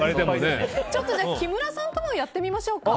じゃあ、木村さんともやってみましょうか。